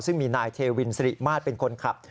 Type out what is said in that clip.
ซึ่งมีนายเทวินสิริมาตรเป็นคนขับ